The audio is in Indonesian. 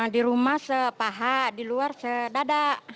di rumah sepaha di luar sedadak